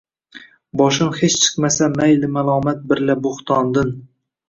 Boshim hech chiqmasa mayli malomat birla bo’htondin